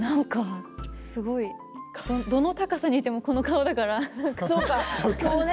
どの高さにいてもこの顔だから。